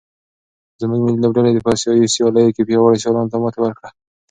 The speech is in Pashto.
زموږ ملي لوبډلې په اسیايي سیالیو کې پیاوړو سیالانو ته ماتې ورکړې ده.